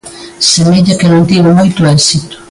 Semella que non tivo moito éxito.